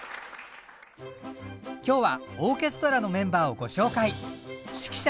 今日はオーケストラのメンバーをご紹介。